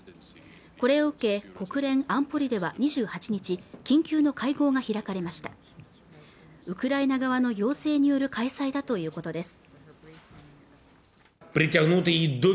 これを受け国連安保理では２８日緊急の会合が開かれましたウクライナ側の要請による開催だということです